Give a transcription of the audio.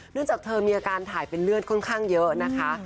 จากเธอมีอาการถ่ายเป็นเลือดค่อนข้างเยอะนะคะ